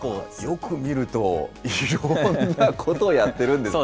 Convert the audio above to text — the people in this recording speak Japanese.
よく見ると、いろんなことをやってるんですね。